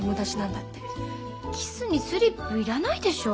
キスにスリップ要らないでしょう。